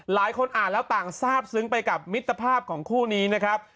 หลายคนอ่านแล้วต่างทราบซึ้งไปกับมิตรภาพของคู่นี้นะครับ